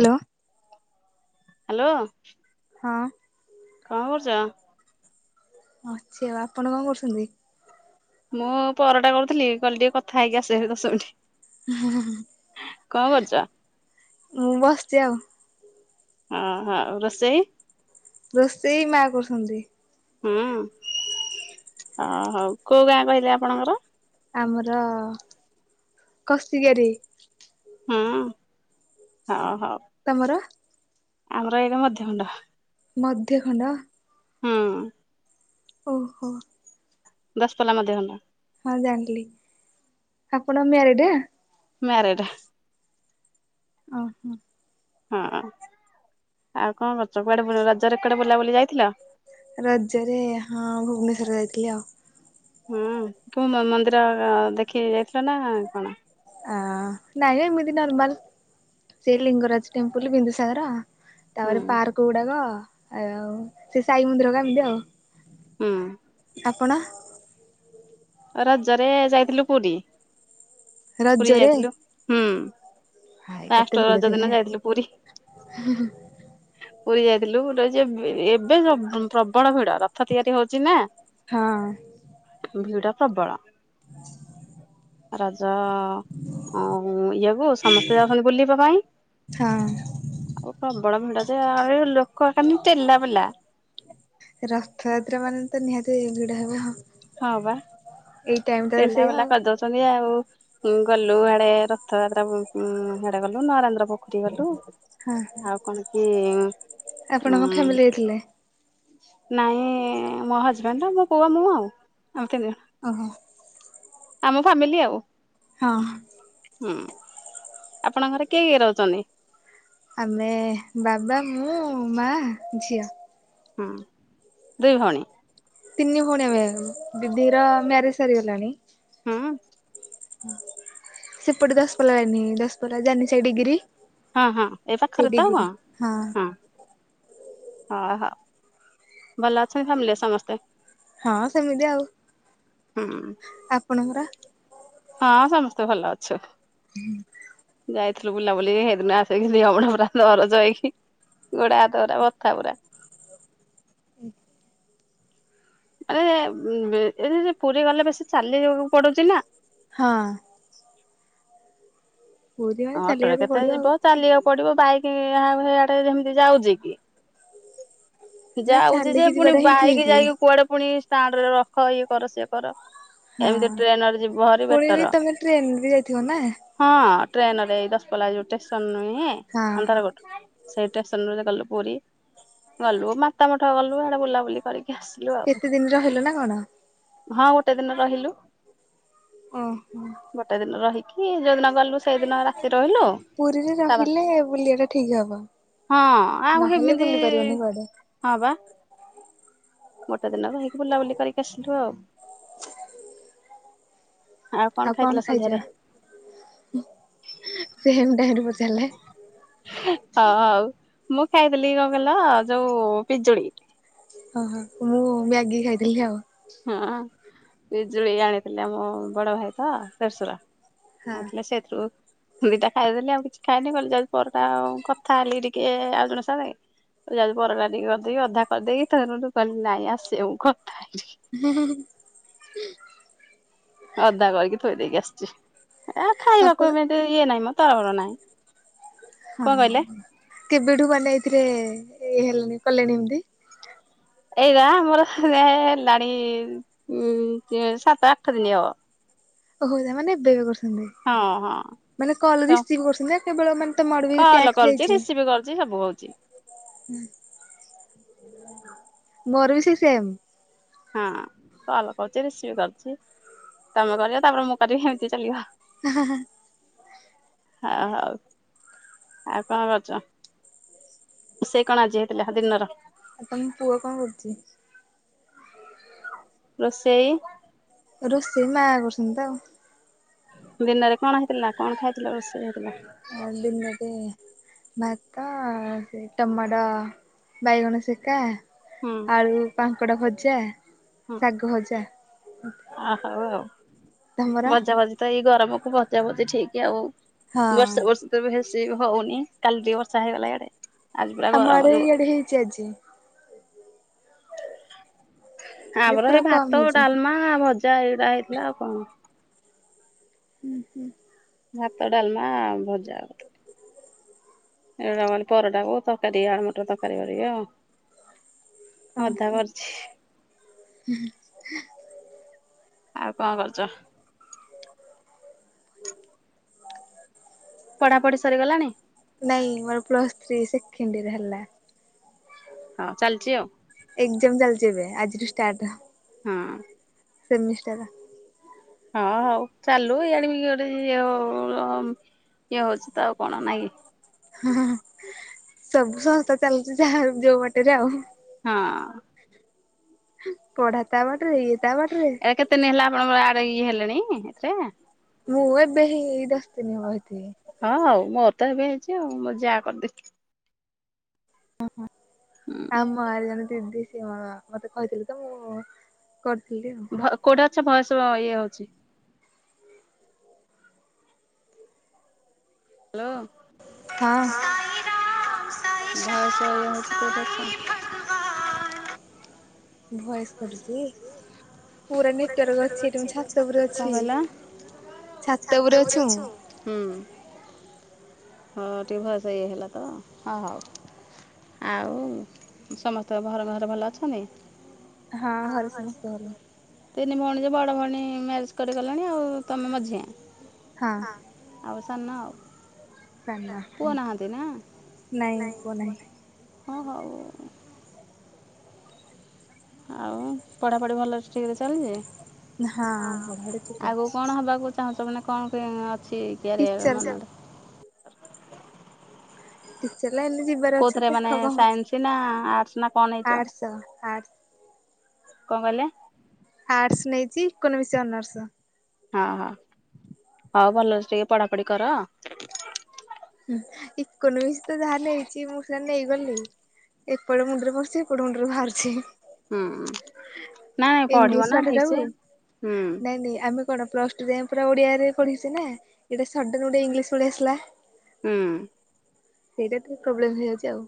Hello. Hello. ହଁ। କଣ କରୁଛ? ଅଛି ଆଉ ଆପଣ କଣ କରୁଛନ୍ତି? ମୁଁ ପରଟା କରୁଥିଲି କହିଲି ଟିକେ କଥା ହେଇକି ଆସେ ଦଶ ମିନିଟ୍। ହା ହା ହା କଣ କରୁଛ? ମୁଁ ବସିଛି ଆଉ। ଓ ହଉ ରୋଷେଇ? ରୋଷେଇ ମା କରୁଛନ୍ତି। ହୁଁ ଅ ହଉ କୋଉ ଗାଁ କହିଲେ ଆପଣଙ୍କର? ଆମର [unintelligible] ହୁଁ ହ ହଉ। ତମର? ଆମର [unintelligible] ମଧ୍ୟମୁଣ୍ଡ। ମଧ୍ୟଖଣ୍ଡ? ହଁ ଓହୋ! ଦଶପାଲା ମାେହ ହେଲା ହଁ ଜାଣିଲି ଆପଣ ମିୟାରେଡ୍ ମ୍ୟାରଡ଼୍ ଓହୋ! ହଁ ଆଉ କଣ କରୁଛ? କୁଆଡେ ରଜ ରେ କୁଆଡେ ବୁଲାବୁଲି ଯାଇଥିଲ? ରଜରେ ହଁ ଭୁବନେଶ୍ଵର ଯାଇଥିଲି ଆଉ। ହଁ କେଉଁ ମନ୍ଦିର ଦେଖି ଯାଇଥିଲ ନା କଣ? ଅ ନାଇଁ ଏମିତିି ନର୍ମାଲ ସେ ଲିଙ୍ଗରାଜ ଟେମ୍ପଲ ବିନ୍ଦୁସାଗର। ହୁଁ ତାପରେ ପାର୍କ ଗୁଡ଼ାକ ଆ ଆଉ ସେ ସାଇମନ୍ଦିର କମିତି ଆଉ ହୁଁ ଆପଣ? ରଜରେ ଯାଇଥିଲୁ ପୁରୀ। ପୁରୀ ରଜରେ ଯାଇଥିଲୁ ହୁଁ ହାଏ କେତେ ଫାଷ୍ଟ ଭିଡ ରଜ ଥିବେ ଦିନ ଯାଇଥିଲି ପୁରୀ। ପୁରୀ ଯାଇଥିଲୁ ଏବେ ପ୍ରବଳ ଭିଡ ରଥ ତିଆରି ହଉଛି ନା। ହଁ ଭିଡ଼ା ପ୍ରବଳ, ହୁଁ ରଜ ଆଉ ଇଆକୁ ସମସ୍ତେ ଯାଉଛନ୍ତି ବୁଲିବା ପାଇଁ। ହଁ। ଆଉ ପ୍ରବଳ ଭିଡ଼ ଯେ ଆ ଲୋକ କୋ ଚେଲା ବଲା ରଥଯାତ୍ରା ମାନେ ତ ନିହାତି ଭିଡ ହେବ ହଁ ହଁ ପା ଏଇ ଟାଇମ ଟା ତ ଟେନା ସେଇଆ ବେଲା ଆଉ। କରିଦଉଛନ୍ତି ଆଉ। ଗଲୁ ଆଡେ ରଥଯାତ୍ରା ସେଆଡେ ଗଲୁ ନରେନ୍ଦ୍ର ପୋଖରୀ ଗଲୁ। ହଁ ହଁ। ଆଉ କଣ କି ଆପଣ କଣ ଉଁ। ଫ୍ୟାମିଲି ଯାଇଥିଲେ? ନାଇଁ ମୋ ହଜବେଣ୍ଡ ମୋ ପୁଅ ମୁଁ ଆଉ ଆଉ ତିନିଦିନ। ଓହୋ ଆମ ଫାମିଲି ଆଉ। ହଁ। ହଁ। ଆପଣଙ୍କ ଘରେ କିଏ କିଏ ରହୁଛନ୍ତି। ଆମେ ବାବା ମୁଁ ମା ଝିଅ। ହୁଁ ଦୁଇ ଭଉଣୀ। ତିନି ଭଉଣୀ ଆମେ ଦିଦିର ମ୍ୟାରେଜ ସରିଗଲାଣି। ହଁ।। ସେପଟେ ଦଶପଲା ଜାନି ଦଶପଲା ଜାାନି ସେଇ ଡିଗିରି।। ହଁ ହଁ ଏବେ ପାଖରେ ତ ହଉ ହଁ। ହଁ ହଉ ଭଲ ଅଛନ୍ତି ଫାମିଲେ ରେ ସମସ୍ତେ। ହଁ ସେମିତି ଆଉ ହୁଁ ଆପଣ। ହଁ ସମସ୍ତେ ଭଲ ଅଛନ୍ତୀ। ଯାଇଥିଲୁ ବୁଲାବୁଲି ସେଇଦିନ ଆସି [unintelligible] ଯାଇକି। ଗୋଡା ହାତ ଗୁରା ବଥା ପୁରା। ଆରେ ଉଁ ବେ ଏ ପୁରୀ ଗଲେ ବେଶୀ ଚାଲି ବାକୁ ପଡୁଛି ନା। ହଁ। ପୁରୀ ମାନେ ହଁ ଅଟୋରେ ଚାଲିବାକୁ କେତେ ପଡିବ ଆଉ ଯିବ ଚାଲିବାକୁ ପଡିବ ବାଇକ ଇଆଡେ ଯେମତି ଯାଉଛି କି। ନା ଯାଉଛି ଯେ ଚାଲିକି ପୁଣି ଯିବାଟା ହିଁ ବାଇକ ଠିକ। ଯାଇକି କୁଆଡେ ପୁଣି ଷ୍ଟାଣ୍ଡ ରେ ରଖ ଇଏ କର ସିଏ କର। ହଁ। ଏମିତି ଟ୍ରେନରେ ଯିବ ଭାରି ପୁଣି ବି ବେଟର। ତମେ ଟ୍ରେନ ବି ଯାଇଥିବ ନା? ହଁ ଟ୍ରେନରେ ଏଇ ଦଶ ପଲା ଯୋଉ ଷ୍ଟେସନ ନୁହେଁ ହଁ। ଅନ୍ଧାରକୋଟ। ସେଇ ଷ୍ଟେସନରୁୁ ଗଲୁ ପୁରୀ ଗଲୁ ମାତା ମଠ ଗଲୁ ଆଡେ ବୁଲାବୁଲି କରିକି ଆସ। କେତେ ଦିନି ରହିଲ ନା କଣ। ହଁ ଗୋଟେ ଦିନ ରହିଲୁ। ଓ ହୋ। ଗୋଟେ ଦିନ ରହିକି ଯେଉଁଦିନ ଗଲୁ ସେଇଦିନ ରାତି ରହିଲୁ। ପୁରୀରେ ତା ବା ରହିଲେ ବୁଲିବା ଟା ଠିକ ହବ ହଁ ଆଉ ନହେଲେ ହେମିତି ବୁଲି ପାରିବନି କୁଆଡେ। ହଁ ବା। ଗୋଟେ ଦିନ ରହିକି ବୁଲାବୁଲି କରିକି ଆସିଲୁ ଆଉ। ଆଉ କଣ ଖାଇଛ ହୁଁ ସେମ ଟାଇମରେ ପଚାରିଲେ। ହଁ ହଉ ମୁଁ ଖାଇଥିଲି କଣ କହିଲ ଯୋଉ ପିଜୁଳି। ଓହୋ ମୁଁ ମ୍ୟାଗି ଖାଇଥିଲି ଆଉ। ହଁ ପିଜୁଳି ଆଣିଥିଲେ ମୋ ବଡ ଭାଇ ତ ଦେଢଶୁର। ହଁ ଆଣିଥିଲେ ସେଇଥିରୁ। ରୁ ଦିଟା ଖାଇଦେଲି ଆଉ କିଛି ଖାଇନି କହିଲି ଯାଉଛି ପରଟା ଆଉ କଥା ହେଲି ଟିକେ ଆଉ ଜଣେ ସାଙ୍ଗରେ। କହିଲି ଯାଉଛି ପରଟା ଟିକେ କରିଦେଇକି ଅଧା କରିଦେଇକି ତା ପରେ କହିଲି ନାଇଁ ଆସେ ମୁଁ କଥା ହେଇକିରି। [unintelligible] ଅଧା କରିକି ଥୋଇ ଦେଇକି ଆସିଛି ଏ ଆପଣ ଖାଇବାକୁ ଏମିତି ଇଏ ନାହିଁ ମ ତରବର ନାହିଁ। ହଁ କଣ କହିଲେ କେବେଠୁ ମାନେ ଏଥିରେ ଇଏ ହେଲେଣି କଲେଣି ଏମତି। ଏଇବା ମୋର ହେ ହେଲାଣି ଉଁ ଏ ସାତ ଆଠ ଦିନି ହଵ। ଓହୋ ତା ମାନେ ଏବେ ଏବେ କରୁଛନ୍ତି ହଁ ହଁ ମାନେ କଲ ତ ରିସିଭ୍ କରୁଛନ୍ତି। କେବଳ ମାନେ ତମ ଆଡୁକୁ କିଛି କଲ ଟ୍ୟାକ୍ସ କରୁଛି ଯାଇଛି। ରିସିଭ୍ କରୁଛି ସବୁ ହଉଛି ମୋର ବି ସେଇ ସେମ୍। ହଁ କଲ କହୁଛି ରିସିଭ କରୁଛି ତମେ କରିବ ତାପରେ ମୁଁ କରିବି ଏମିତି ଚାଲିବ। [unintelligible] ହଁ ହଉ ଆଉ କଣ କରୁଛ? ରୋଷେଇ କଣ ଆଜି ହେଇଥିଲା ଦିନର। ଆଉ ତମ ପୁଅ କଁ କରୁଛି? ରୋଷେଇ। ରୋଷେଇ ମା କରୁଛନ୍ତି ତ ଆଉ। ଦିନରେ କଣ ହେଇଥିଲା କଣ ଖାଇଥିଲା ରୋଷେଇ ହେଇଥିଲା। ଆ ଦିନରେ। ଭାତ ସେ ଟମାଟ ବାଇଗଣ ସେକା। ହୁଁ ଆଳୁ କାଙ୍କଡା ଭଜା ହୁଁ ଶାଗ ଭଜା। ଆ ହଉ ତମର? ଭଜା ଭଜି ତ ଏଇ ଗରମକୁ ଭଜା ଭଜି ଠିକ ଆଉ। ହଁ। ବର୍ଷା ବର୍ଷି ତ ବେଶୀ ହଉନି କାଲି ଟିକେ ବର୍ଷା ହେଇଗଲା ଇଆଡେ। ଆଜି ପୁରା ଆମ ଗରମ ଆଡେ ଯୋର। ଇଆଡେ ହେଇଛି ଆଜି ଯେ ଆମର ପୁରା ହେଇ କମ ଭାତ ହେଇଛି ଡାଲମା ଭଜା ଏଇଗୁରା ହେଇଥିଲା ଆଉ କଣ। ହୁଁ ହୁଁ। ଭାତ ଡାଲମା ଭଜା। ଏଇଟା ମାନେ ପରଟା କ ତରକାରୀ ଆଳୁ ମଟର ତରକାରୀ କରିବି ଆଉ। ଅଧା ହଁ। କରିଛି ଆଉକଁ କରୁଚ? [inaudible] ପଢାପଢି ସରିଗଲାଣି? ନାଇଁ ମୋର ପ୍ଲସ୍ ଥ୍ରୀ ସେକେଣ୍ଡ ଇୟର ହେଲା। ହଁ ଚାଲିଛି ଆଉ। ଏକ୍ଜାମ ଚାଲିଛି ଏବେ ଆଜିଠୁ ଷ୍ଟାର୍ଟ। ହଁ। ସେମିଷ୍ଟର। ହଁ ହଉ ଚାଲୁ ଇଆଡେ ବି ଗୋଟେ ଇଏ ଇଏ ହଉଛି ତ ଆଉ କଣ ନାଇଁ। ହଁ ସବୁ ସଂସ୍ଥା ଚାଲୁଛି ଯାହା ଯୋଉ ବାଟରେ ଆଉ। ହଁ। ପଢା ତା ବାଟରେ ଇଏ ତା ବାଟ ରେ। ଏଟା କେତେ ଦିନ ହେଲା ଆପଣଙ୍କର ଆଡେ ଇଏ ହେଲେଣି ଏଥିରେ? ମୁଁ ଏବେ ହେଇ ଦସ ଦିନ ହବ ହେଇଥିନି। ହଁ ହଉ ମୋ ତ ଏବେ ହେଇଛି ଆଉ ମୋ ଯା କରିଦେ ଓ ହୋ ଆମ ଆରେ ଜଣେ ଦିଦି ସି ମ ମତେ କହିଥିଲେ ତ ମୁଁ କରିଥିଲି ଆଉ। ହୁଁ। କୋଉଠି ଅଛ ବଏସ ଇଏ ହଉଛି। ହ୍ୟାଲୋ। ହଁ। [unintelligible] ଭଏସ କଟୁ ଚି। ପୁରା ନେଟୱାର୍କ ଅଛି ଏଠି ମୁ ଛାତପୁର କଣ ଅଛି। କହିଲ? ଛାତ ଉପରେ ଅଛି ମୁଁ। ହୁଁ ହଁ ଟିକ ଭଏସ ଇ ଏହେଲା ତ ହଉ। ଆଉ ସମସ୍ତଙ୍କ ଘର ଘରେ ଭଲ ଅଛନ୍ତି? ହଁ ଘରେ ସମସ୍ତେ ଭଲ। ତିନି ଭଉଣୀ ଯେ ବଡ ଭଉଣୀ ମ୍ୟାରେଜ କରିଗଲେଣି ଆଉ ତମେ ମଝିଆ। ହଁ ଆଉ ସାନ। ସାନ ପୁଅ ନାହାନ୍ତି ନା ନାଇଁ ପୁଅ ନାହିଁ ହଁ ହଉ। ଆଉ ପଢ଼ାପଢ଼ି ଭଲ ଠିକରେ ଚାଲିଛି ହଁ ପଢାପଢି ଠିକ ଠାକ ଆଗକୁ ଅଛି। କଣ ହେବାକୁ ଚାହୁଁଛ ମାନେ କଣ ଅଛି କିଆରିଅର ଟିଚର ମାନେ ଟିଚର ଲାଇନ୍ ଯିବାର ଅଚି କୋଉଥିରେ ଦେଖ ମାନେ କଣହୋଉଛି ସାଇନ୍ସ ନା ଆର୍ଟସ୍ ନା କ'ଣ ନେଇଛ ଆର୍ଟସ ଆ କଁ କହିଲେ? ଆର୍ଟସ୍ ନେଇଛିି, ଇକୋ ନୋମିକ ଅନର୍ଷ। ହଁ ହଁ, ହଉ ଭଲ ଅଛି ଟିକେ ପଢାପଢି କର। ଇକୋନୋମିକସ ତ ଯାହା ନେଇଛି ମୁଁ ସେ ନେଇଗଲି। ଏପଡ ମୁଣ୍ଡରେ ପଛି ହେପଟୁ ମୁଣ୍ଡରୁ ବାହାରୁଛି। ହୁଁ, ନାଇଁ ପଢିବ ନା ଠିକ ସେ ହୁଁ। ହେଲେ ଆମ୍ କଣ ପ୍ଲସ୍ ଟୁ ଯାଏଁ ପୁରା ଓଡ଼ିଆରେ ପଢ଼ିଚି ନା ଏଇଟା ସଡ଼ନ୍ ଗୋଟେ ଇଂଲିଶ ପଳେଇ ଆସିଲା। ହୁଁ। ସେଇଟା ଟିକେ ପ୍ରୋବ୍ଲେମ ହୋଇ ଯାଉଛି ଆଉ।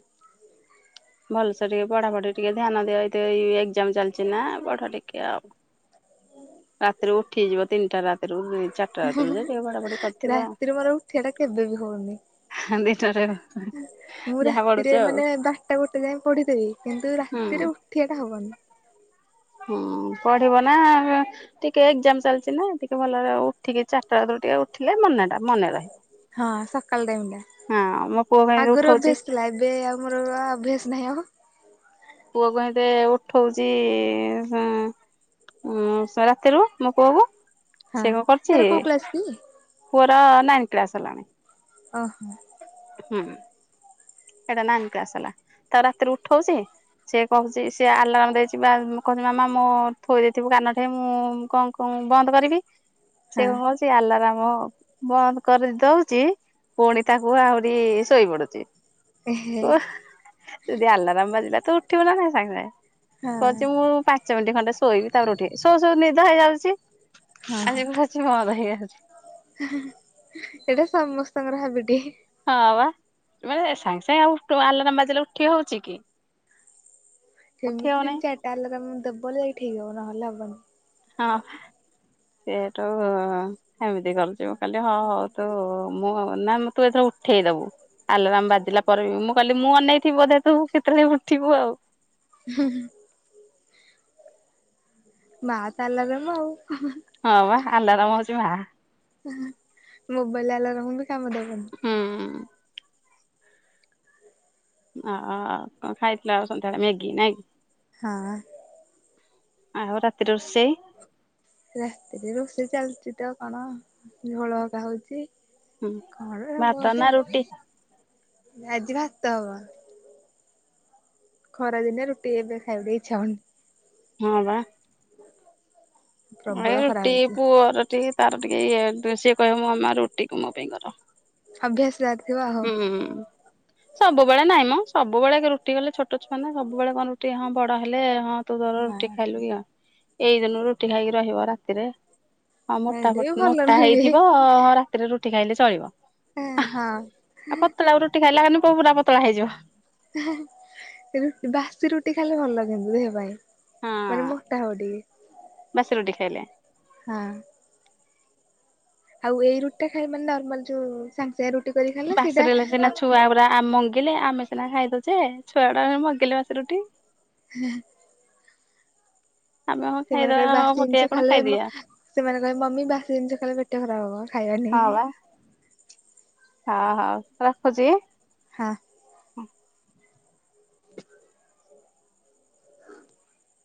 ଭଲସେ ଟିକେ ପଢାପଢି ଟିକେ ଧ୍ୟାନ ଦିଅ ଏ ଏକ୍ଜାମ ଚାଲିଛି ନା ପଢ ଟିକେ ଆଉ। ରାତିରେ ଉଠିଯିବ ତିନିଟା ରାତିରେ ଚାରିଟା ରାତିରୁ ଯେ ଟିକେ ପଢ଼ାପଢ଼ି କରିଥିବ ଆଉ। ରାତିରେ ମୋର ଉଠିବା ଟା କେବେ ବି ହଉନି। ଦିନରେ ମୁଁ ଯାହା ପଢ଼ୁଛ ରାତିରେ ଆଉ ମାନେ ବା ଵାର ଟା ଗୋଟେ ଯାଏ ପଢିଦେବି କିନ୍ତୁ ହୁଁ ରାତିରେ ଉଠିବାଟା ହବନି। ହୁଁ ପଢିବ ନା ଟିକେ ଏକ୍ଜାମ ଚାଲିଛି ନା ଟିକେ ଭଲରେ ଉଠିକି ଚାରଟା ଥରୁ ଟିକେ ଉଠିଲେ ମନେ ଟା ମନେ ରହେ। ହଁ ସକାଳ ମୋ ପୁଅ ଟାଇମ୍ କେମିତି ଆଗରୁ ଉଠଉଛି ଅଭ୍ୟାସ ଏବେ ଆମର ଅଭ୍ୟାସ ନାହିଁ ଆଉ। ପୁଅ କ ଏଁତେ ଉଠଉଛି ହଁ। ହୁଁ ରାତିରୁ ମୋ ପୁଅକୁ। ହଁ ସେ କଣ କରୁଛି ତାର କୋଉ କ୍ଲାସ କି ପୁଅର ନାଇନ୍ କ୍ଳାସ ହେଲାଣି। ଓ ହୋ। ହୁଁ। ସେଇଟା ନାଇନ୍ ହେଲା ତାକୁ ରାତିରେ ଉଠଉଛି। ସେ କହୁଛି ସେଏ ଆଲରାମ ଦେଇଛି ବା କଛି ମାମା ମୋ ଥୋଇ ଦେଇଥିବୁ କାନ ମୁଁ କଣ। ମୁଁ ବନ୍ଦ କରିବି। [inaudible] [unintelligible] ସେ ଆଲାରମ ବନ୍ଦ କରି ଦଉଛି ପୁଣି ତାକୁ ଆହୁରି ଶୋଇ ପଡୁଛି। ଏହେ ଯଦି ଆଲାରାମ ବାଜିଲା ତୁ ଉଠିବୁ ନା ନାଇଁ ସାଙ୍ଗେ ସାଙ୍ଗେ ହଁ କହୁଚି ମୁଁ ପାଖ ପାଞ୍ଚ ମିନିଟ ଖଣ୍ଡେ ଶୋଇବି ତାପରେ ଉଠି ଶୋଉ ଶୋଉ ନିଦ ହେଇଯାଉଛି ହଁ ଆଖି ବନ୍ଦ ହେଇଯାଉଛି। ଏଇଟା ସମସ୍ତଙ୍କର ହାବିଟି। ହଁ ବା ମାନେ ସାଙ୍ଗେ ସାଙ୍ଗେ ଆଉ ଉଠୁ ଆଲରାମ୍ ବାଜିଲେ ଉଠି ହଉଛି କି। ଉଠି ସେମିତିମି ହଉନାହିଁ ଚାରିଟା ଆଲାରାମ ଦେବ ଯାଇକି ଠିକ ହବ ନହେଲେ ହବନି। ହଁ ସେଇଠୁ। ସେମିତି କରିଛିବୁ କାଲି ହଁ ହଉ ତୁ ମୁଁ ନା ତୁ ଏଥର ଉଠେଇଦବୁ। ଆଲୋରାମ ବାଜିଲା ପରେ ବି ମୁଁ କହିଲି ମୁଁ ଅନେଇଥିବି ବଧେ ତୁ କେତେବେଳେ ଉଠିବୁ ଆଉ। ହୁଁ ହୁଁ। ମା ତାଲା ଦେବ ଆଉ। ହଁ ବା ଆଲରାମ ହଉଛି ମା। ମୋବାଇଲ ଆଲାରାମ ବି କାମ ଦେବନି। ହୁଁ। ହ କଣ ଖାଇଥିଲା ଆଉ ସନ୍ଧ୍ୟାଳେ ମ୍ୟାଗି ନାଇଁକି। ହଁ। ଆଉ ରାତିରେ ରୋଷେଇ। ରାତିରେ ରୋଷେଇ ଚାଲିଛି ତ କଣ ଝୋଳ ହେରିକା ହଉଛି। ହୁଁ କଣ ହବ ଭାତ ବୋଧେ ନା ରୁଟି। ଆଜି ଭାତ ହବ। ଖରା ଦିନେ ରୁଟି ଏବେ ଖାଇବାକୁ ଇଛା ହଉନି। ହଁ ବା। ଏ ପ୍ରବଳ ଖରା ରୁଟି ହଉଛି। ପୁଅର ଟିକେ ତାର ଟିକେ ଇଏ ସିଏ କହିବେ ମୋ ରୁଟିକୁୁ ମୋ ପାଇଁ କର। ଅଭ୍ୟାସ ଯାର। ହୁଁ। ସବୁବେଳେ ନାଇଁ ମଁ ସବୁବେଳେ ରୁଟି କଲେ ଛୋଟ ଛୁଆନା ସବୁବେଳେ କଣ ରୁଟି ହଁ ବଡ ହେଲେ ହଁ ତୁ ତୋର ରୁଟି ହଁ ଖାଇଲୁ [inaudible] ଏଇ ଦିନୁ ରୁଟି ଖାଇକି ରହିବ ରାତିରେ? ହଁ ମୋଟା ଏଇଟି ଭଲ ମୋଟା ନୁହେଁ। ହେଇଥିବ ରାତିରେ ରୁଟି ଖାଇଲେ ଚଳିବ। ଏ ହଁ। ପତଳାକୁ ରୁଟି ଖାଇଲା ହେନୁ ପୁଅ ପୁରା ପତଳା ହେଇଯିବ। ବାସି ରୁଟି ଖାଇଲେ ଭଲ କିନ୍ତୁ ଦେହ ପାଇଁ। ହଁ ମାନେ ମୋଟା ହବ ଟିକେ। ବାସି ରୁଟି ଖାଇଲେ। ହଁ। ଆଉ ଏଇ ରୁଟିଟା ଖାଇ ମାନେ ନମାଲ ଯୋଉ ସାଙ୍ଗ ସାଙ୍ଗ ରୁଟ ବାସି ରହିଲେ ସିନା ଛୁଆ ଗୁରା ଆମ କିଲେ। ଆମେ ସିନା ଖାଇଦଉଛେ। ଛୁଆଡା ମଗିଲେ ବାସି ରୁଟି। ହୁଁ- [inaudible] ଆମେ ହଁ ସେମାନେ କହି ଖାଇଦବା ହଁ ବାସିଜିନିଷ ପକେଇବା କଣ ଖାଇଲେ ମ ଖାଇଦିବା ସେମାନେ କହିବେ ମମି ବାସି ଜିନିଷ ଖାଇଲେ ପେଟ ଖରାପ ହବ ଖାଇବାନି। ହଁ ବା ହଁ ହଉ ରଖୁଛି। ହଁ।